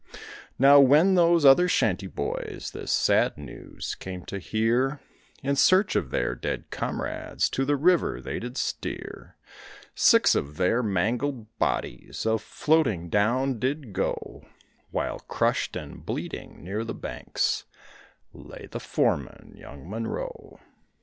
Now when those other shanty boys this sad news came to hear, In search of their dead comrades to the river they did steer; Six of their mangled bodies a floating down did go, While crushed and bleeding near the banks lay the foreman, young Monroe.